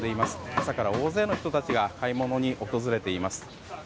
朝から大勢の人たちが買い物に訪れています。